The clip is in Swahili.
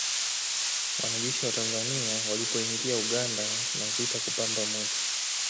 Wanajeshi wa Tanzania walipoingia Uganda na vita kupamba moto